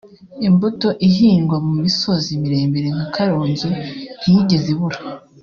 Imbuto ihingwa mu misozi miremire nka Karongi ntiyigeze ibura